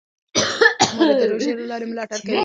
مور یې د روژې له لارې ملاتړ کوي.